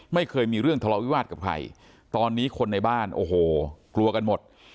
ไม่เคยมีเรื่องทะเลาวิวาสกับใครตอนนี้คนในบ้านโอ้โหกลัวกันหมด